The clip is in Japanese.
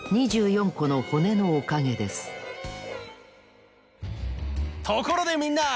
この骨のおかげですところでみんな！